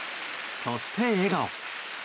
そして、笑顔。